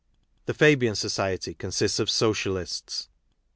The Fabian Society consists of Socialists.